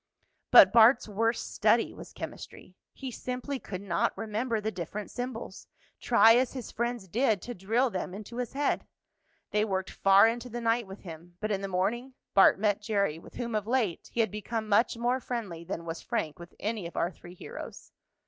But Bart's worst study was chemistry. He simply could not remember the different symbols, try as his friends did to drill them into his head. They worked far into the night with him, but in the morning, Bart met Jerry, with whom, of late, he had become much more friendly than was Frank with any of our three heroes.